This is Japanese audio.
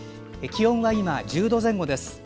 気温は今、１０度前後です。